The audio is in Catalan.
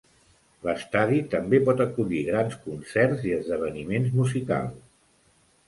L'estadi també pot acollir grans concerts i esdeveniments musicals.